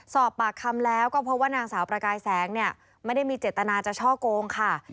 สอบปากคำแล้วก็พบว่านางสาวประกายแสงเนี่ยไม่ได้มีเจตนาจะช่อโกงค่ะ